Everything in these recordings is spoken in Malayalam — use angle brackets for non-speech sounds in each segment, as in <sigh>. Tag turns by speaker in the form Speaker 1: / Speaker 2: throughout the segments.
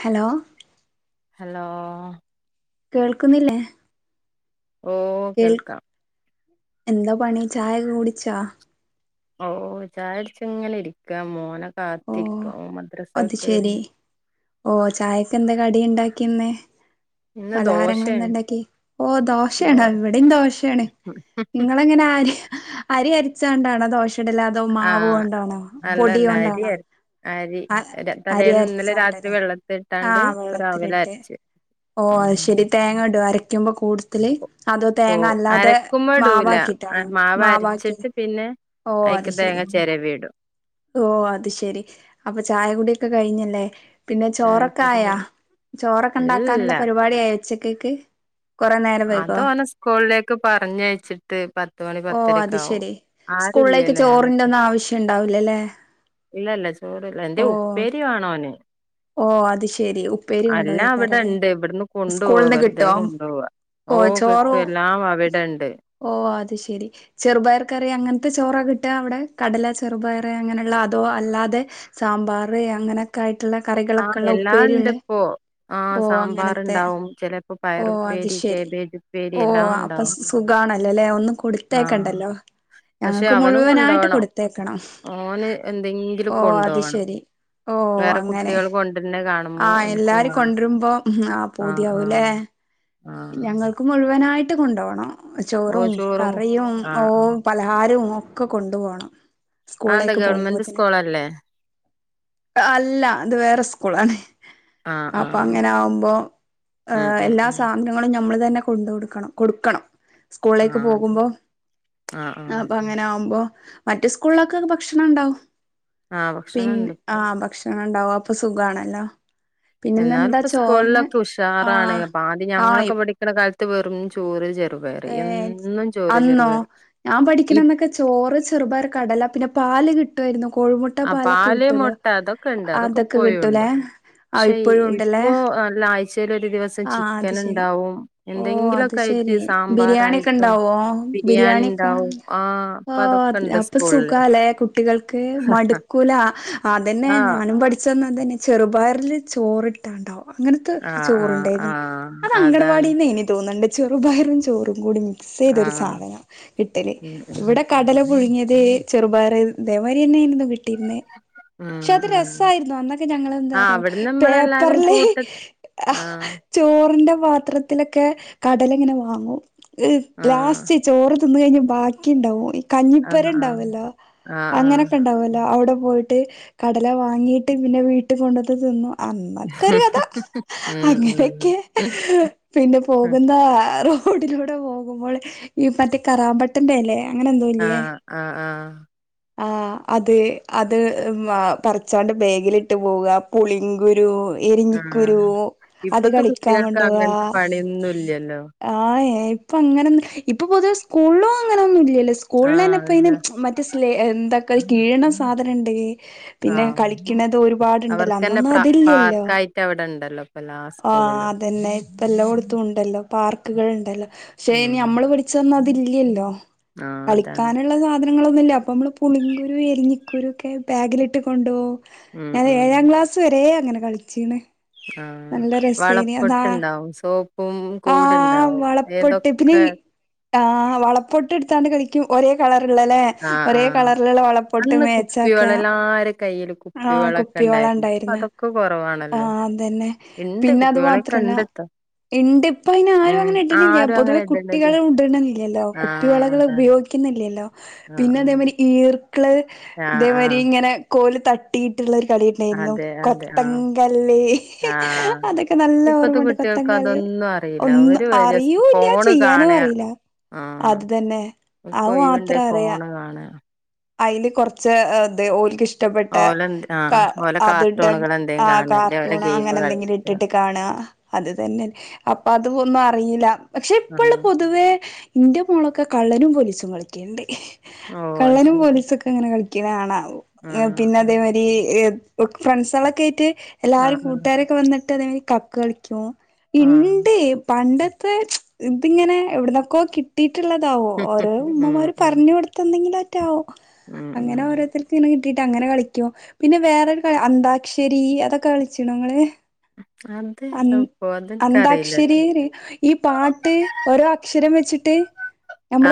Speaker 1: ഹലോ
Speaker 2: ഹലോ
Speaker 1: കേൾക്കുന്നില്ലേ?
Speaker 2: ഓഹ്
Speaker 1: കേൾ
Speaker 2: കേൾക്കാ.
Speaker 1: എന്താ പണി, ചായൊക്ക കുടിച്ചാ?
Speaker 2: ഓഹ് ചായുട്ച്ച് ഇങ്ങനെ ഇരിക്കാ മോനെ
Speaker 1: ഓ
Speaker 2: കാത്തിരിക്കാ ഓൻ മദ്രസ വിട്ട് വര്നെ.
Speaker 1: ഓഹ് ചായക്കെന്താ കടി ഇണ്ടാക്കിയെ ഇന്ന്?
Speaker 2: ഇന്ന്
Speaker 1: പലഹാരങ്ങള് എന്താ
Speaker 2: ദോശയാണ്
Speaker 1: ഇണ്ടാക്കി? ഓഹ്
Speaker 2: ദോ
Speaker 1: ദോശയാണൊ ഇവടിം ദോശേണ്. ഇങ്ങളെങ്ങനെ ആര് അരി അരിച്ചാണ്ടാണോ ദോശ ചുടല് അതോ മാവ്
Speaker 2: ആഹ്
Speaker 1: കൊണ്ടാണോ പൊടി
Speaker 2: അല്ലല്ല അരി
Speaker 1: കൊണ്ടാണോ?
Speaker 2: അര അരി
Speaker 1: അഹ് അരി
Speaker 2: തലേന്ന് ഇന്നലെ
Speaker 1: അരച്ചാണ്ട്
Speaker 2: രാത്രി
Speaker 1: ലേ
Speaker 2: വെള്ളത്തി ഇട്ടാണ്ട്
Speaker 1: ആഹ്
Speaker 2: ഇപ്പ രാവിലെ
Speaker 1: വെള്ളത്തിലിട്ട്.
Speaker 2: അരച്ച്
Speaker 1: ഓഹ്
Speaker 2: ഉം
Speaker 1: അഹ് ശെരി. തേങ്ങെടോ അരക്ക്യുമ്പം കൂട്ടത്തില്? അതോ
Speaker 2: ഓ
Speaker 1: തേങ്ങ അല്ലാതെ
Speaker 2: അരക്കുമ്പോ ഇടൂല അ
Speaker 1: മാവാക്കിട്ടാണോ
Speaker 2: മാവ്
Speaker 1: മാവാക്കി?
Speaker 2: അരച്ചിട്ട് പിന്നെ.
Speaker 1: ഓഹ് അത്
Speaker 2: അയിക്ക് തേങ്ങ
Speaker 1: ശരി.
Speaker 2: ചെരവിടും
Speaker 1: ഓഹ് അത് ശെരി. അപ്പൊ ചായകുടി ഒക്കെ കഴിഞ്ഞല്ലേ. പിന്നെ
Speaker 2: ചായപ്പൊടി
Speaker 1: ചോറൊക്കായാ? ചോറൊക്കെ
Speaker 2: ഇല്ല
Speaker 1: ഇണ്ടാക്കാനുള്ള പരിപാടി ആയോ ഉച്ചക്കക്ക്?
Speaker 2: അതോനെ സ്കൂളിലേക്ക് പറഞ്ഞയച്ചിട്ട് പത്തുമണി
Speaker 1: ഓ അത്
Speaker 2: പത്തരെക്കെ ആവും.
Speaker 1: ശെരി സ്കൂളിലേക്ക്
Speaker 2: ആരുല്ലല്ലോ
Speaker 1: ചോറിന്റെ
Speaker 2: ഞാനൊറ്റ
Speaker 1: ഒന്നും ആവശ്യം ഉണ്ടാവൂല്ലല്ലേ.
Speaker 2: ഇല്ല ല്ല ചോറില്ല. എന്തേം ഉപ്പേരി വാണോന്.
Speaker 1: ഓ അത് ശെരി ഉപ്പേരി
Speaker 2: അല്ലാ
Speaker 1: കൊണ്ടോയേക്കാരല്ലേ
Speaker 2: അവിടെണ്ട് ഇവട്ന്ന് കൊണ്ടോവാ
Speaker 1: സ്കൂളിന്ന്
Speaker 2: വെറുതെ
Speaker 1: കിട്ടോ
Speaker 2: കൊണ്ടോവാ. ഓഹ് കിട്ടും എല്ലാം അവിടെണ്ട്.
Speaker 1: ഓഹ് അത് ശെരി. ചെറുപയർ കറി അങ്ങൻ ത്തെ ചോറാ കിട്ടാ അവിടെ. കടല ചെറുപയർ അങ്ങനെള്ള അതോ അല്ലാതെ സാമ്പാർ അങ്ങനെ ക്കായിട്ടുള്ള കറികളൊക്കെ
Speaker 2: ആഹ്
Speaker 1: ഉള്ള
Speaker 2: എല്ലാം
Speaker 1: ഉപ്പേരി ഉള്ളെ
Speaker 2: ഇണ്ട്പ്പോ
Speaker 1: ഓഹ് അങ്ങനെത്തെ.
Speaker 2: ചെലേപ്പോ പ
Speaker 1: ഓഹ് അത് ശെരി. ഓഹ് അപ്പൊ
Speaker 2: ഉണ്ടാവും
Speaker 1: സ് സുഖാണല്ലോ ല്ലേ ഒന്നും
Speaker 2: ആഹ്
Speaker 1: കൊടുത്തയക്കണ്ടല്ലോ.
Speaker 2: പക്ഷെ
Speaker 1: ഞങ്ങക്ക്
Speaker 2: അവന്
Speaker 1: മുഴുവനായിട്ട്
Speaker 2: കൊണ്ടോണം
Speaker 1: കൊടുത്തയക്കണം.
Speaker 2: ഓന് എന്തെങ്കിലും
Speaker 1: ഓഹ് അത്
Speaker 2: കൊണ്ടോവണം
Speaker 1: ശരി. ഓഹ്
Speaker 2: വേറെ
Speaker 1: അങ്ങനെ.
Speaker 2: കുട്ടികൾ കൊണ്ടര്ണെ കാണുമ്പോ
Speaker 1: ആഹ്
Speaker 2: ഇൻക്കും
Speaker 1: എല്ലാരും
Speaker 2: വേണം
Speaker 1: കൊണ്ട്രുമ്പോം ആഹ് പൂതിയാവുലേ.
Speaker 2: ആഹ്
Speaker 1: ഞങ്ങൾക്ക് മുഴുവനായിട്ട് കൊണ്ടോണം ചോറും കറിയും
Speaker 2: ആഹ്
Speaker 1: ഓഹ്.
Speaker 2: ആഹ്
Speaker 1: പലഹാരും ഒക്കെ കൊണ്ടു പോണം
Speaker 2: അതെന്താ
Speaker 1: സ്കൂളിലേക്ക്
Speaker 2: ഗവൺമെന്റ്
Speaker 1: പോവുമ്പോത്തിന്.
Speaker 2: സ്കൂളല്ലേ
Speaker 1: അല്ല ഇത് വേറെ സ്കൂളാണ്.
Speaker 2: ആഹ്
Speaker 1: അപ്പ
Speaker 2: ആഹ്
Speaker 1: അങ്ങന ആവുമ്പോ
Speaker 2: ഉം ഉം
Speaker 1: എല്ലാ സ്
Speaker 2: ഉം
Speaker 1: <unintelligible> ളും ഞമ്മള് തന്നെ കൊണ്ട് കൊടുക്കണം കൊടുക്കണം സ്കൂളെക്ക്
Speaker 2: ആഹ് അതെ
Speaker 1: പോകുമ്പോ
Speaker 2: ആഹ് ആഹ്
Speaker 1: അപ്പ അങ്ങനെ ആവുമ്പോ മറ്റ് സ്കൂൾലൊക്ക ഭക്ഷണം ഇണ്ടാവും
Speaker 2: ആഹ്
Speaker 1: പിന്നെ
Speaker 2: ഭക്ഷണണ്ട്
Speaker 1: ആ
Speaker 2: ഇപ്പൊ.
Speaker 1: ഭക്ഷ ണം ഇണ്ടാവും അപ്പ സുഖാണല്ലോ
Speaker 2: എന്നാല്
Speaker 1: പിന്നെന്നെന്താ
Speaker 2: ഇപ്പ
Speaker 1: ചോറിന്
Speaker 2: സ്കൂൾലൊക്ക
Speaker 1: ആ
Speaker 2: ഉഷാറാണ് പാണ്ട്
Speaker 1: ആ
Speaker 2: ഞങ്ങളൊക്ക പഠിക്ക്ണ കാൽത്ത് വെറും ചോറ് ചെറുപയറ്
Speaker 1: ഏ
Speaker 2: എന്നും ചോറ്
Speaker 1: അന്നോ
Speaker 2: ചെറുപയറ്
Speaker 1: ഞാൻ പഠിക്ക്ണ അന്നൊക്കെ ചോറ്, ചെറുപയറ് കടല പിന്നെ പാല് കി ട്ടുവായിരുന്നു കോഴിമുട്ട
Speaker 2: ആഹ്
Speaker 1: പാലൊക്ക
Speaker 2: പാല്
Speaker 1: കിട്ടൂലോ
Speaker 2: മുട്ട അതൊക്കെ ഉണ്ട് അതൊക്കെ
Speaker 1: അതക്ക
Speaker 2: ഇപ്പോഴുണ്ട്
Speaker 1: കിട്ടൂലേ ആ
Speaker 2: പക്ഷെ
Speaker 1: ഇപ്പോഴും ഉണ്ടല്ലേ
Speaker 2: ഇപ്പൊ നല്ല ആഴ്ചേല് ഒരു ദിവസം
Speaker 1: ആ അത്
Speaker 2: ചിക്കന്
Speaker 1: ശരി
Speaker 2: ഇണ്ടാവും
Speaker 1: ഓ അത്
Speaker 2: എന്തെങ്കിലോക്ക ആയിറ്റ്
Speaker 1: ശെരി
Speaker 2: സാ
Speaker 1: ബിരിയാണി ഒക്ക ഇണ്ടാവോ ബിരിയാണിക്കെ
Speaker 2: ഉണ്ടാവും ആഹ്
Speaker 1: ഓ
Speaker 2: അപ്പൊ അതൊക്കെ ഉണ്ട്
Speaker 1: അപ്പ
Speaker 2: സ്കൂളില്
Speaker 1: സുഖാ ലെ കുട്ടികൾക്ക് മട്ക്കൂല
Speaker 2: ആഹ്
Speaker 1: അതന്നെ ഞാനും പഠിച്ച അന്ന് അതന്നെ ചെറുപയർല് ചോറ്ട് ട്ട്ണ്ടോ അങ്ങനത്തെ
Speaker 2: ആഹ്
Speaker 1: ചോറ്
Speaker 2: ആഹ്
Speaker 1: ഇണ്ടായ്‌ന്ന്
Speaker 2: ആഹ്
Speaker 1: അത്
Speaker 2: അതാണ്
Speaker 1: അങ്കണവാടിന്നെനി തോന്ന്ണ്ട് ചെറുപയറും ചോറും കൂടി മിക്സ് ചെയ്തൊരു
Speaker 2: ആഹ്
Speaker 1: സാധനാ കിട്ടല്
Speaker 2: ഉം ഉം
Speaker 1: ഇവട കടല പുഴുങ്ങിയത് ചെറുപയറ് ഇതെമാരിന്നെയ്‌ര്ന്നു കിട്ടിര്ന്നേ പക്ഷെ
Speaker 2: ഉം
Speaker 1: അത്
Speaker 2: ഉം
Speaker 1: രസായിരുന്നു അന്നൊക്കെ ഞങ്ങള്
Speaker 2: ആഹ്
Speaker 1: എന്താറിയോ
Speaker 2: അവിടുന്ന് നമ്മളെല്ലാരും
Speaker 1: പേപ്പറർല്
Speaker 2: കൂട്ട ആഹ്
Speaker 1: ചോറ്ന്റെ പാത്രത്തിലൊക്കെ കടല ഇങ്ങനെ വാങ്ങൂ
Speaker 2: ആഹ്
Speaker 1: ലാസ്റ്റ് ചോറ് തിന്ന് കഴിഞ്ഞ് ബാക്കി ഇണ്ടാവും ഇ കഞ്ഞിപ്പെര
Speaker 2: ആഹ് ആഹ്
Speaker 1: ഇണ്ടാവോല്ലോ
Speaker 2: ആഹ് ആഹ്
Speaker 1: അങ്ങനെക്കെ ഇണ്ടാവോല്ലോ അവ്ടെ പോയി ട്ട് കടല വാങ്ങീട്ട് പിന്നെ വീട്ട് കൊണ്ടന്ന് തിന്നു അന്നൊക്കെ ഒര് കഥ
Speaker 2: ഉം ഉം
Speaker 1: അങ്ങനെക്കെ പിന്നെ പോകുന്ന ആറു റോഡിലൂടെ പോകുമ്പോൾ ഈ മറ്റേ കറാമ്പട്ടന്റെ എലെ അങ്ങനെ എന്തോ ഇല്ല്യെ
Speaker 2: ആ ആഹ്
Speaker 1: ആ അത് അത് പറിച്ചാണ്ട് ബേഗിലിട്ട് പോക പുളിങ്കുരു എരിഞ്ഞിക്കുരു
Speaker 2: ആഹ്
Speaker 1: അത്
Speaker 2: ഇപ്പത്തെ
Speaker 1: കളിക്കാം
Speaker 2: കുട്ടികൾക്ക്
Speaker 1: കൊണ്ടോവാ
Speaker 2: അങ്ങനത്തെ പണിയൊന്നും ഇല്ലല്ലോ
Speaker 1: ആ ഏ ഇപ്പ അങ്ങനെന്ന് ഇപ്പ പൊതുവെ സ്കൂൾലും അങ്ങനെന്നു ഇല്ല്യല്ലോ സ്
Speaker 2: ആഹ്
Speaker 1: കൂൾലന്നെപ്പ
Speaker 2: അല്ല
Speaker 1: അയിന് മറ്റെ സ് എന്തക്കെ കീയ്‌ണ സാധനം ഇണ്ട് പിന്നെ
Speaker 2: ആഹ്
Speaker 1: കളിക്ക്ണത് ഒരുപാട് ണ്ടല്ലോ
Speaker 2: അവർക്കന്നെ
Speaker 1: അന്നൊന്നും
Speaker 2: പ്ര
Speaker 1: അതില്ല്യല്ലോ
Speaker 2: പാർക്കായിട്ട് അവിടെ ഉണ്ടല്ലോ ഇപ്പ എല്ലാ
Speaker 1: ആ
Speaker 2: സ്കൂളിലും
Speaker 1: അതന്നെ ഇപ്പ എല്ലോട്ത്തു ഉണ്ടല്ലോ പാർക്കുകൾ ഇണ്ടല്ലോ പക്ഷേ ഇനി
Speaker 2: ഉം
Speaker 1: നമ്മള് പഠിച്ചന്ന് അതില്ല്യല്ലോ
Speaker 2: ആഹ് അതാണ്
Speaker 1: കളിക്കാന്ള്ള സാ ധനങ്ങളൊന്നുല്ല അപ്പം നമ്മള് പുളിങ്കുരു എലിഞ്ഞിക്കുരു ഒക്കെ ബാഗിലിട്ട് കൊണ്ടുപോ
Speaker 2: ഉം
Speaker 1: ഞാന്
Speaker 2: ഉം
Speaker 1: എഴാം ക്ലാസ് വരെ അങ്ങനെ കൾച്ചീണ്
Speaker 2: ആഹ്
Speaker 1: നല്ല രസേനി അതാ
Speaker 2: വളപ്പൊട്ടുണ്ടാവും സോപ്പും
Speaker 1: ആ
Speaker 2: കൂടുണ്ടാവും
Speaker 1: വളപ്പൊട്ട് പിന്നെ ഈ
Speaker 2: ഏതൊക്കെ
Speaker 1: ആ വളപ്പൊട്ട് ഇട്ത്താണ്ട് കളിക്കും ഒരേ കളറ്ള്ള ലെ
Speaker 2: ആഹ്
Speaker 1: ഒരേ
Speaker 2: ആഹ്
Speaker 1: കളർല്ള്ള വളപൊട്ട്
Speaker 2: അന്ന്
Speaker 1: മേച്ചാക്ക
Speaker 2: കുപ്പിവെള്ളം എല്ലാരെ കയ്യില്
Speaker 1: ആ
Speaker 2: കുപ്പിവെള്ളൊക്കെ
Speaker 1: കുപ്പി വള
Speaker 2: ഇണ്ടായിരുന്നു ഇപ്പ
Speaker 1: ഇണ്ടായിര്ന്ന്
Speaker 2: അതൊക്കെ
Speaker 1: ആ
Speaker 2: കൊറവാണല്ലോ
Speaker 1: അതന്നെ
Speaker 2: ഇണ്ട്
Speaker 1: പിന്നെ അതു
Speaker 2: കുപ്പിവെള്ളൊക്കെ
Speaker 1: മാത്രല്ലാ
Speaker 2: ഇണ്ട്ട്ടോ
Speaker 1: ഇണ്ട് ഇപ്പ അയ്ന് ആരും
Speaker 2: ഉം
Speaker 1: അങ്ങനെ ഇട്ണില്ല്യ
Speaker 2: ആരും
Speaker 1: പൊതുവെ
Speaker 2: അങ്ങനെ ഇടണില്ല
Speaker 1: കുട്ടികള് ഇട്ണില്ല്യല്ലോ
Speaker 2: ആഹ്
Speaker 1: കുപ്പിവളകള്
Speaker 2: അതാണ്
Speaker 1: ഉപയോഗി ക്ക്‌ന്ന്ല്ല്യല്ലോ
Speaker 2: ആഹ്
Speaker 1: പിന്നെ
Speaker 2: ആഹ്
Speaker 1: അതേമാരി ഈർക്ക്ള്
Speaker 2: ആഹ്
Speaker 1: ഇതേമാരി
Speaker 2: ആഹ്
Speaker 1: ഇങ്ങനെ കോല് തട്ടിയിട്ട്ള്ള ഒരു കളി ഇണ്ടെര്ന്നു
Speaker 2: അതെ അതെ ആഹ്
Speaker 1: കൊത്തങ്കല്ല്
Speaker 2: ആഹ്
Speaker 1: അതക്ക നല്ല
Speaker 2: ഇപ്പത്തെ
Speaker 1: ഓർമ്മണ്ട്
Speaker 2: കുട്ടികൾക്ക്
Speaker 1: കൊത്തങ്കളി
Speaker 2: അതൊന്നും അറിയില്ല
Speaker 1: ഒന്നു
Speaker 2: അവര് ജസ്റ്റ്
Speaker 1: അറിയൂല്ല്യ
Speaker 2: ഫോണ്
Speaker 1: ചെയ്യാനും
Speaker 2: കാണാ
Speaker 1: അറീല
Speaker 2: ആഹ്
Speaker 1: അത് തന്നെ
Speaker 2: ഓൽക്ക്
Speaker 1: അത് മാത്ര
Speaker 2: ഒഴിവുണ്ടേ
Speaker 1: അറിയ
Speaker 2: ഫോണ് കാണാ
Speaker 1: അയില് കൊർച്ച് ഇത് ഓൽക്ക് ഇഷ് ടപ്പെട്ട
Speaker 2: ഓലെ എന്ത്
Speaker 1: കാ
Speaker 2: ആഹ് ഓലെ
Speaker 1: അത് ഇട
Speaker 2: കാർട്ടൂണുകൾ എന്തേലും
Speaker 1: ആ
Speaker 2: കാണ അല്ലേ ഓലെ
Speaker 1: കാർട്ടൂണ്
Speaker 2: ഗെയിമ്
Speaker 1: അങ്ങനെ എന്തെങ്കിലും
Speaker 2: കളിക്ക
Speaker 1: ഇട്ട്ട്ട് കാണ അത് തന്നെ അപ്പ അതു ഒന്നു അറീല പക്ഷെ ഇപ്പള്ള
Speaker 2: ആഹ്
Speaker 1: പൊതുവേ ഇന്റെ മോളൊക്ക കള്ളനും പൊലീസും കളിക്ക്യൽണ്ട്
Speaker 2: ഓഹ് അത് ശരി.
Speaker 1: റിസൊക്കെങ്ങനെ കൾക്കിണാണ.
Speaker 2: ആഹ്
Speaker 1: പിന്നെ അതെ
Speaker 2: ആഹ്
Speaker 1: മാരി ഫ്രണ്ട്സൊളെക്കേറ്റ് എല്ലാരും
Speaker 2: ആഹ്
Speaker 1: കൂട്ടാരൊക്കെ വന്ന്ട്ട് അതേ മാരി കക്ക് കളിക്കും.
Speaker 2: ആഹ്
Speaker 1: ഇണ്ട് പണ്ടത്തെ ഇതിങ്ങനെ എവ്ട്ന്നൊക്കോ കിട്ടിയിട്ട്ള്ളതാ വൊ. ഓരോരൊ
Speaker 2: ഉം
Speaker 1: ഉമ്മമാര്
Speaker 2: ഉം
Speaker 1: പർഞ് കൊടുത്ത എന്തെങ്കിലാ.... റ്റാവും.
Speaker 2: ഉം
Speaker 1: അങ്ങനെ
Speaker 2: ഉം
Speaker 1: ഓരോരുത്ത.... കിട്ടീട്ട് അങ്ങനെ കളിക്കും. പിന്നെ വേറൊരു കളി അന്താക്ഷരി. അതൊക്കെ കളിച്ചീണൊങ്ങള്. അന്ന്
Speaker 2: അതേതാപ്പോ
Speaker 1: അന്താക്ഷരീ
Speaker 2: അതെനിക്കറിയില്ലട്ടോ
Speaker 1: പറയും. ഈ പാട്ട് ഓരോ അക്ഷരം വെച്ചിട്ട്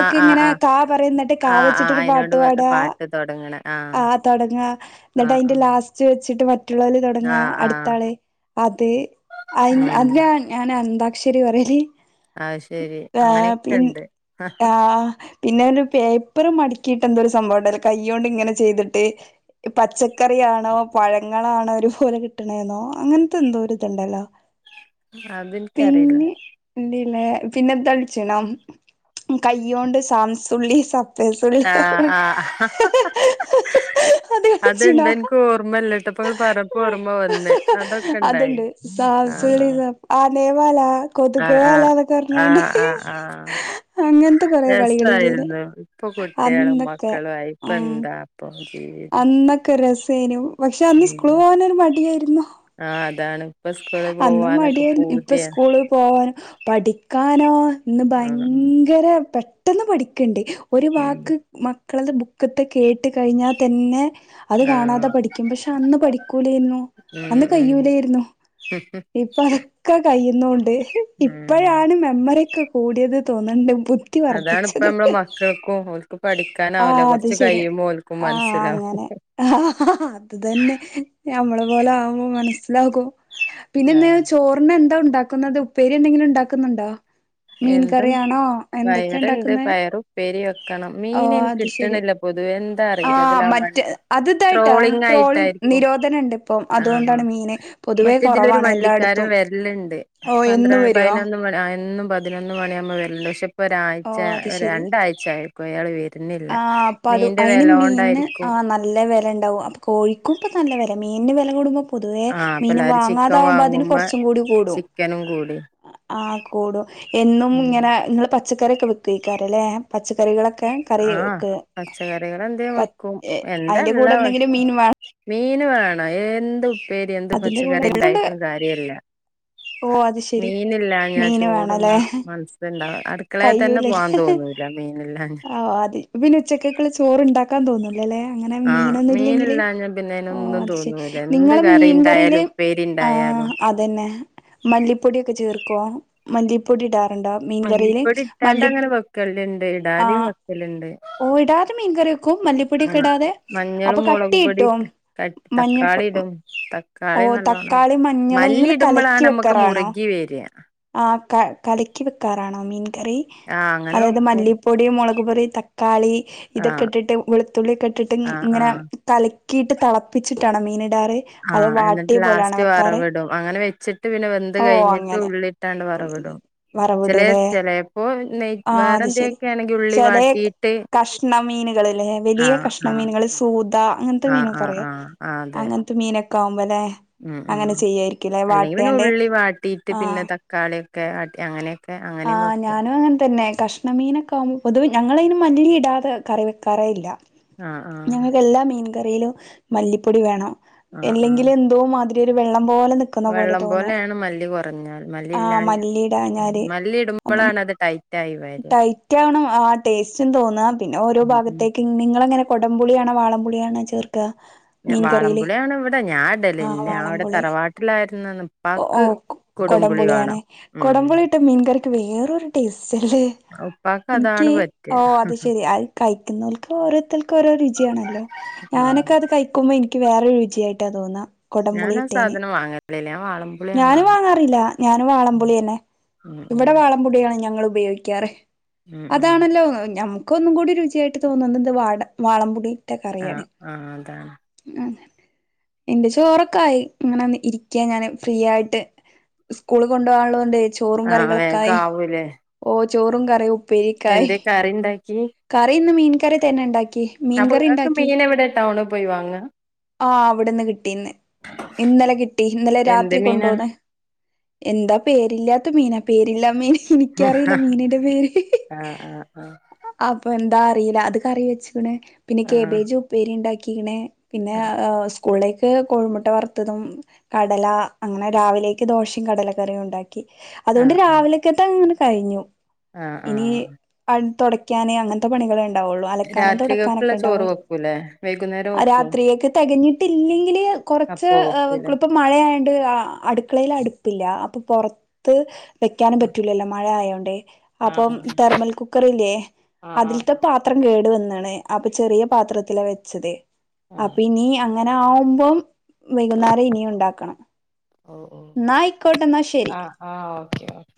Speaker 2: ആഹ് ആഹ്
Speaker 1: ങ്ങനെ
Speaker 2: ആഹ്
Speaker 1: കാ പറയും ന്നെട്ട് കാ
Speaker 2: ആഹ് ആഹ്
Speaker 1: വെച്ചിട്ടൊരു പാ....
Speaker 2: അയിനോട് പാട്ട് തൊടങ്ങണ
Speaker 1: ആഹ് തൊടങ്ങാ. ന്നെട്ട്
Speaker 2: ആഹ്
Speaker 1: അയ്ന്റെ
Speaker 2: ആഹ്
Speaker 1: ലാസ്റ്റ് വെച്ചിട്ട് മറ്റുള്ളോല് തൊടങ്ങാ
Speaker 2: ആഹ് ആഹ്
Speaker 1: അട്ത്താള്. അതെ. അയ്ൻ
Speaker 2: ഉം
Speaker 1: അത് നാ ഞാന് അന്താക്ഷരി പറയല്.
Speaker 2: അത് ശരി
Speaker 1: ആഹ് പിൻ
Speaker 2: അങ്ങനെയൊക്കെണ്ട്
Speaker 1: ആഹ്. പിന്നെ പിന്നെ പേപ്പറ് മടക്കിയിട്ട് എന്തോരു സംഭവണ്ടല്ലൊ കൈയ്യോണ്ട് ഇങ്ങനെ ചെയ്ത്ട്ട് പച്ചക്കറിയാണൊ, പഴങ്ങളാണൊ ഒരു പോലെ കിട്ട് ണേന്നൊ അങ്ങൻത്തെ എന്തോരിത്ണ്ടല്ലൊ?
Speaker 2: അത് ൻക്കറീല.
Speaker 1: ഇല്യലേ. പിന്നെ തെൾച്ചീണൊ കൈയ്യോണ്ട് സാം സുള്ളി സ.... തേഹ്സുള്ളി
Speaker 2: ആഹ് ആഹ്
Speaker 1: അത്
Speaker 2: അത്ണ്ട്
Speaker 1: കൾച്ചീണൊ.
Speaker 2: എനിക്ക് ഓർമ്മല്ലട്ടോ ഇപ്പൊ ഇങ്ങള് പറഞ്ഞപ്പോ ഓർമ്മ വന്ന് അതൊക്കെ
Speaker 1: അത്ണ്ട്.
Speaker 2: ഇണ്ടായിന്
Speaker 1: സാം
Speaker 2: ആഹ്
Speaker 1: സുള്ളി സപ് ആനേ വാലാ.
Speaker 2: ആഹ്
Speaker 1: കൊത്‌ക്കളെ
Speaker 2: ആഹ്
Speaker 1: അല്ലാന്നൊക്കെ പർഞ്ഞാണ്ട്
Speaker 2: ആഹ് ആഹ് ആഹ്
Speaker 1: അങ്ങൻത്തെ കൊറേ കളികളില്ലേ ന്യോ?
Speaker 2: പ്പ കുട്ട്യേളും, മക്കളു ആയി പ്പെന്താ പ്പൊ ഈ
Speaker 1: അന്നൊക്കെ രസേനു. പക്ഷെ അന്ന് സ്കൂള് പോവാനൊരു മടിയേരുന്നു.
Speaker 2: ആഹ് അതാണ്. പ്പൊ സ്കൂള് പോവാനൊക്കെ
Speaker 1: മടിയായിരുന്നു ഇപ്പൊ
Speaker 2: പൂതിയാ.
Speaker 1: സ്കൂള് പോവാനും. പഠിക്കാനോ ഇന്ന്
Speaker 2: ആഹ്
Speaker 1: ഭയങ്കര പെട്ടെന്ന് പഠിക്ക്ണ്ട്. ഒരു വാക്ക് മക്കളത് ബുക്ക്‌ത്തെ കേട്ട് കഴിഞ്ഞാ തന്നെ അത്
Speaker 2: ആഹ്
Speaker 1: കാണാതെ പഠിക്കും. പക്ഷെ അന്ന് പഠിക്കൂലേയ്ന്നു.
Speaker 2: ഉം
Speaker 1: അന്ന്
Speaker 2: ഉം
Speaker 1: കയ്യൂലോയി ര്ന്നു.
Speaker 2: <unintelligible>
Speaker 1: ഇപ്പ അതൊക്കെ കഴിയുന്നൂണ്ട്.
Speaker 2: ഉം
Speaker 1: ഇപ്പഴാണ് ന്ന മെമ്മറി യൊക്കെ കൂടിയത് തോന്ന്ണ്ട്. ബു
Speaker 2: അതാണ് പ്പം അമ്മളെ മക്കൾക്കും. ഓൽക്ക് പഠിക്കാനാവില്ല.
Speaker 1: ആഹ് അത്
Speaker 2: കൊർച്ച്
Speaker 1: ശരി
Speaker 2: കയ്യിമ്പ ഓൽക്കും
Speaker 1: ആഹ്
Speaker 2: മൻസ്സിലാവും.
Speaker 1: അങ്ങനെ അത് തന്നെ. യമ്മളെ പോലെ ആവുമ്പം മൻസ്സിലാവും. പിന്നെ എന്താ
Speaker 2: ആഹ്
Speaker 1: ചോറ്‌ന് എന്താ ഉണ്ടാക്കുന്നത്. ഉപ്പേരി എന്തെങ്കിലും ണ്ടാക്കുന്നുണ്ടൊ?
Speaker 2: എന്തും. വയറ്ണ്ട്
Speaker 1: ഉണ്ടാക്കുന്നെ
Speaker 2: പയറും പ്പേരി വെക്കണം.
Speaker 1: ഓ
Speaker 2: മീന് അതിന്
Speaker 1: അത് ശരി
Speaker 2: കിട്ട്ണില്ല പൊതുവെ. എന്താ
Speaker 1: ആ
Speaker 2: അറീല.
Speaker 1: മറ്റേ
Speaker 2: <unintelligible>
Speaker 1: അത് ഇതായിട്ടാ ട്രോളിങ്
Speaker 2: ട്രോളിംങ്ങായിട്ടായിരി.... പ്പൊ.
Speaker 1: നിരോധനം ഉണ്ട് ഇപ്പം
Speaker 2: ആഹ്, ആഹ്.
Speaker 1: അതുകൊണ്ടാണ് മീന് പൊതുവേ
Speaker 2: മറ്റെ തിലൊരു
Speaker 1: കുറവാണ്
Speaker 2: വണ്ടിക്കാരൻ
Speaker 1: എല്ലായിടത്തും
Speaker 2: വെര്ല്ണ്ട്.
Speaker 1: ഓ
Speaker 2: പന്ത്ര,
Speaker 1: എന്നും വരുവോ
Speaker 2: പയിനൊന്ന് മണി ആഹ് എന്നും പ തിനൊന്ന് മണിയാവുമ്പം വെര്ല്ണ്ട്. പക്ഷെ പ്പൊ
Speaker 1: ഓ
Speaker 2: ഒരാഴ്ച,
Speaker 1: അത്
Speaker 2: ഒരാ
Speaker 1: ശരി
Speaker 2: രണ്ടാഴ്ച്ചായി. പ്പൊ അയാള് വെര്ന്നില്ല.
Speaker 1: ആ അപ്പൊ അത്
Speaker 2: മീന്റെ
Speaker 1: അയിന് മീനിന് ആ
Speaker 2: വെലോണ്ടായിരിക്കും.
Speaker 1: നല്ല വെല ണ്ടാവും. അപ്പൊ കോഴിക്കും പ്പ നല്ല വെലെ. മീന്ന് വെല കൂടുമ്പൊ പൊതുവെ
Speaker 2: ആഹ് അപ്പൊ
Speaker 1: മീന്
Speaker 2: എല്ലാരും ചിക്കൻ
Speaker 1: വാങ്ങാതാവ്മ്പ അതിന്
Speaker 2: വാങ്ങുമ്പോ
Speaker 1: കൊർച്ചും കൂടി കൂടും.
Speaker 2: ചിക്കനും കൂടി
Speaker 1: ആഹ് കൂടും. എന്നും ങ്ങനെ ങ്ങെള് പച്ചക്കറിയൊക്കെ വെക്കേക്കാരം ലെ. പച്ചക്കറികളൊക്കെ. കറി
Speaker 2: ആഹ്
Speaker 1: വെക്ക
Speaker 2: പച്ചക്കറികളെന്തേം വെക്കും. എന്താ
Speaker 1: അതിന്റെ കൂടെ
Speaker 2: ള്ളെ
Speaker 1: എന്തെങ്കിലും മീൻ വേണം
Speaker 2: മീന് വേണ എന്ത് ഉപ്പേരി എന്ത്
Speaker 1: അതിന്റെ
Speaker 2: പച്ചക്കറി
Speaker 1: കൂടെണ്ട്
Speaker 2: ഇണ്ടായിട്ടും കാര്യല്ല
Speaker 1: ഓ അത് ശെരി
Speaker 2: മീനില്ലാഞാ
Speaker 1: മീന്
Speaker 2: ചോറുന്ന
Speaker 1: വേണല്ലേ
Speaker 2: മനസ്ണ്ടാവാ അട് അടുക്കളേ തന്നെ പോവാൻ തോന്നുലാ മീൻ
Speaker 1: ആഹ് അതി പിന്നെ ഉച്ചക്കെക്കുള്ള ചോറുണ്ടാക്കാൻ തോന്നും ലല്ലെ അങ്ങനെ
Speaker 2: ആഹ്
Speaker 1: മീനൊന്നുല്ലെങ്കില്
Speaker 2: മീനില്ലാഞ്ഞാ പിന്നെ
Speaker 1: ഓഹ്
Speaker 2: അയിനൊന്നും
Speaker 1: അത് ശരി നിങ്ങള് മീൻകറിയില് ആ
Speaker 2: ഉപ്പേരിയുണ്ടായാലും
Speaker 1: അതന്നെ മല്ലിപ്പൊടിയൊക്കെ ചേർക്കോ മല്ലിപ്പൊടിടാറുണ്ടോ മീൻകറില്
Speaker 2: പൊടി ഇട്ടാണ്ട് അങ്ങനെ വെക്കല്ണ്ട് ഇടാതെയും വെക്കലുണ്ട്
Speaker 1: ഓഹ് ഇടാതെ മീൻ കറി വെ ക്കും മല്ലിപ്പൊടിയൊക്കെയിടാതെ അപ്പൊ
Speaker 2: മഞ്ഞളും മുളക് പൊടി
Speaker 1: കട്ടിയിട്ടോ
Speaker 2: ഇട്ട് തട്ട്
Speaker 1: മഞ്ഞ പൊ
Speaker 2: തക്കാളി ഇടും തക്കാളി
Speaker 1: ഓഹ്
Speaker 2: നല്ലോണം ഇടും
Speaker 1: തക്കാളി മഞ്ഞളും
Speaker 2: മല്ലി
Speaker 1: ഇങ്ങള് കലക്കി
Speaker 2: ഇടുമ്പളാണ് നമ്മക്ക്
Speaker 1: വെക്കാറാണോ
Speaker 2: മുറുകി വരാ
Speaker 1: ആഹ് കല കലക്കി വെക്കാറാണോ മീൻ കറി
Speaker 2: ആഹ് അങ്ങനെ
Speaker 1: അതായത്
Speaker 2: വെക്കും
Speaker 1: മല്ലി പൊടിയും മുളക്പൊടി തക്കാളി ഇതൊക്കെ
Speaker 2: ആഹ്
Speaker 1: ഇട്ടിട്ട് വെളുത്തുള്ളിക്കെട്ടിട്ട്
Speaker 2: ആഹ്
Speaker 1: ഇങ്ങനെ
Speaker 2: ആഹ്
Speaker 1: കലക്കിട്ട് തളപ്പിച്ചിട്ടാണോ മീനിടാറ് അതോ
Speaker 2: ആഹ് എന്നിട്ട്
Speaker 1: വാട്ടിയ പോലാണോ
Speaker 2: ലാസ്റ്റ്
Speaker 1: വെക്കാറ്
Speaker 2: വറവിടും അങ്ങനെ വെച്ചിട്ട് പിന്നെ വെന്ത്
Speaker 1: ഓ
Speaker 2: കഴിഞ്ഞിട്ട്
Speaker 1: അങ്ങനെ
Speaker 2: ഉള്ളിട്ടാണ്ട് വറവിടും ചെലേ
Speaker 1: വറവിടൂലേ
Speaker 2: ചെലേപ്പോ നെയ്
Speaker 1: ആഹ് അത് ശരി
Speaker 2: വേറെന്തേക്കെ ആണെങ്കി ഉള്ളി
Speaker 1: ചെലെ
Speaker 2: വാട്ടിയിട്ട്
Speaker 1: കഷ്ണം മീനുകളലേ വലിയ കഷ്
Speaker 2: ആഹ്
Speaker 1: കഷണ
Speaker 2: ആഹ്
Speaker 1: മീനുകള് സൂദ അങ്ങനത്തെ
Speaker 2: ആഹ്
Speaker 1: മീനുകള്
Speaker 2: ആഹ്
Speaker 1: അറിയൊ
Speaker 2: ആഹ് ആഹ് അതെ
Speaker 1: അങ്ങനത്തെ മീനോക്കെ ആമ്പോല്ലെ
Speaker 2: ഉം ഉം
Speaker 1: അങ്ങനെ ചെയ്യായിരിക്കുല്ലേ വാട്ടിയാന്റെ ആഹ്
Speaker 2: തക്കാളിയൊക്കെയാക്കി അങ്ങനെ
Speaker 1: ആഹ് ഞാനും അങ്ങനെ തന്നെ കഷ് കഷ്ണ മീനൊക്കെയാകുമ്പോ പൊതുവെ ഞങ്ങള്തിന് മല്ലിയിടാതെ കറി വെക്കാറേ ഇല്ല
Speaker 2: ആഹ് ആഹ്
Speaker 1: ഞങ്ങൾക്ക് എല്ലാ മീൻ കറിയിലും മല്ലിപ്പൊടി വേണം
Speaker 2: ആഹ് ആഹ്
Speaker 1: എല്ലെങ്കില് എന്തോ മാതിരി ഒരു വെള്ളം പോലെ നിക് ക്കുന്ന പോലെ
Speaker 2: വെള്ളം
Speaker 1: തോന്നും
Speaker 2: പോലെയാണ് മല്ലി കുറഞ്ഞാൽ മല്ലി
Speaker 1: ആഹ്
Speaker 2: ഇല്ലാഞ്ഞ ഉം.
Speaker 1: മല്ലിയിടാഞ്ഞാല്
Speaker 2: മല്ലി
Speaker 1: അപ്പം
Speaker 2: ഇടുമ്പോഴാണ് അത് ടൈറ്റ് ആയി വര
Speaker 1: ടൈറ്റ് ആണ് ആഹ് ടേസ്റ്റും തോന്നാ പിന്നെ ഓരോ
Speaker 2: ഉം ഉം
Speaker 1: ഭാഗത്തേക്ക് നിങ്ങളെങ്ങനെ കൊടംപുളിയാണോ വാളംപുളിയാണോ ചേർക്ക മീൻ കറിയില്
Speaker 2: വാളംപുളി ആണ് ഇവിടെ ഞാൻ ഇടല്
Speaker 1: ആഹ്
Speaker 2: ഇന്റെവിടെ
Speaker 1: വാളംപുളി
Speaker 2: തറവാട്ടിലായിരുന്ന
Speaker 1: ഓ
Speaker 2: ഇപ്പാക്ക്
Speaker 1: കൊടംപുളിയാണ് കൊടംപുളി ഇട്ട മീൻകറിക്ക് വേറൊരു ടേസ്റ്റ്ല്ലേ
Speaker 2: ഉപ്പാക്ക് അതാണ് പറ്റ്
Speaker 1: ഓഹ് അത് ശെരി കഴിക്കുന്നൽക്ക് ഓരോരുത്തർക്ക് ഓരോ രുചിയാണല്ലോ
Speaker 2: ഉം
Speaker 1: ഞാനൊക്കെ അത് കഴിക്കുമ്പോ ഇനിക്ക് വേറൊരു രുചിയായിട്ടാ തോന്നാ
Speaker 2: ഞാനാ
Speaker 1: കൊടംപുളിയിട്ടേന്
Speaker 2: സാധനം വാങ്ങലില്ല ഞാൻ വാളംപുളിയാണ്
Speaker 1: ഞാനും
Speaker 2: വാങ്ങ
Speaker 1: വാങ്ങാറില്ല ഞാന്
Speaker 2: ഉം
Speaker 1: വാളംപുളിന്നെ
Speaker 2: ഉം
Speaker 1: ഇവിടെ വാളംപുളിയാണ് ഞങ്ങള് ഉപയോഗിക്കാറ്
Speaker 2: ഉം ഉം ഉം
Speaker 1: അതാണല്ലോ ഞമ്മ ക്കൊന്നും കൂടി രുചിയായിട്ട് തോന്നുന്നത് എന്ത് വാട വാളമ്പുളിയിട്ട
Speaker 2: ആഹ്
Speaker 1: കറിയാണ്
Speaker 2: ആഹ് അതാണ്
Speaker 1: അങ്ങനെ എന്റെ ചോറൊക്കായി ഇങ്ങനെന്ന് ഇരിക്കയാ ഞാന് ഫ്രീയായിട്ട് സ്കൂള് കൊണ്ടുവനുള്ളത് കൊണ്ടേ ചോറും
Speaker 2: ആഹ് വേഗം
Speaker 1: കറികളൊക്കായി
Speaker 2: ആവൂലേ
Speaker 1: ഓഹ് ചോറും കറി ഉപ്പേരിക്കായി
Speaker 2: എന്തേ കറി ഇണ്ടാക്കി
Speaker 1: കറിന്ന് മീൻ കറി തന്നെ ഇണ്ടാക്കി
Speaker 2: അപ്പൊ
Speaker 1: മീൻകറി
Speaker 2: നിങ്ങക്ക്
Speaker 1: ഇണ്ടാക്കി
Speaker 2: മീനെവിടെ ടൗണി പോയിവാങ്ങ
Speaker 1: ആഹ് അവിടുന്ന് കിട്ടീന്ന് ഇന്നലെ കിട്ടി ഇന്നലെ
Speaker 2: എന്ത്
Speaker 1: രാത്രി
Speaker 2: മീനാ
Speaker 1: കൊണ്ടോന്ന് എന്താ പേരില്ലാത്ത മീനാ പേരില്ലാ മീന് എനിക്കറിയില്ല മീനിന്റെ പേര്
Speaker 2: ആഹ് ആഹ് ആഹ്
Speaker 1: അപ്പൊ എന്താ അറിയില്ല അത് കറിവെച്ചിക്കണ് പിന്നെ
Speaker 2: ആഹ്
Speaker 1: കേബേജ് ഉപ്പേരി ഇണ്ടാക്കി ക്കിണ് പിന്നെ ആ സ്കൂളിലേക്ക് കോഴിമുട്ട വറുത്തതും കടല അങ്ങനെ രാവിലേക്ക് ദോശയും കടല കറിയും ഉണ്ടാക്കി അതുകൊണ്ട്
Speaker 2: ആഹ്
Speaker 1: രാവിലക്കത്തെ അങ്ങനെ കഴിഞ്ഞു
Speaker 2: ആഹ്
Speaker 1: ഇനി
Speaker 2: ആഹ്
Speaker 1: അട് തൊടക്കാന് അങ്ങനത്തെ പണികള് ണ്ടാവൊള്ളൂ അലക്കാനും തുടക്കാനൊക്കെ
Speaker 2: രാത്രികക്കുള്ള ചോറ്
Speaker 1: ഇണ്ടാവൊള്ളൂ
Speaker 2: വെക്കൂലേ വൈകുന്നേരം വെക്കും
Speaker 1: രാത്രിയക്ക് തെകഞ്ഞിട്ട് ഇല്ലെങ്കില് കൊർച്ച്
Speaker 2: അപ്പൊ
Speaker 1: എഹ്
Speaker 2: വെക്കൂലേ
Speaker 1: ഇപ്പ മഴ ആയോണ്ട് അട്ക്കളേല് അടുപ്പില്ല അപ്പൊ പൊർത്ത് വെക്കാനും
Speaker 2: ആഹ്
Speaker 1: പറ്റൂലല്ലോ മഴ ആയോണ്ട്? അപ്പം
Speaker 2: ആഹ്
Speaker 1: തെർമൽ കുക്കറില്ലേ
Speaker 2: ആഹ്
Speaker 1: അതിൽത്തെ പ
Speaker 2: ആഹ്
Speaker 1: പാത്രം കേട് വന്ന്ണ് അപ്പ ചെറിയ പാത്രത്തില വെച്ചത് അപ്പ
Speaker 2: ആഹ്
Speaker 1: ഇനി അങ്ങനാവുമ്പം വൈകുന്നേരം ഇനിയും ഇണ്ടാക്കണം.
Speaker 2: ഓഹ് ഓഹ്
Speaker 1: ഇന്നാ അയ്കോട്ടെ ഇന്നശരി
Speaker 2: ആഹ് ആഹ് ഓക്കെ ഓക്കെ